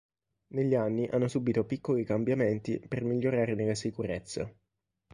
Negli anni hanno subito piccoli cambiamenti per migliorarne la sicurezza.